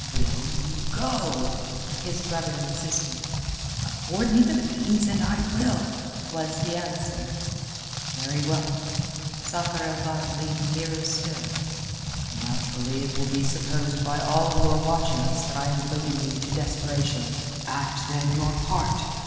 "Will you go?" his brother insisted. "Afford me the means and I will," was the answer. "Very well." Sakr el Bahr leaned nearer still. "Naturally it will be supposed by all who are watching us that I am goading you to desperation. Act, then, your part.